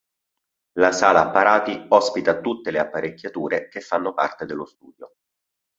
La sala apparati ospita tutte le apparecchiature che fanno parte dello studio.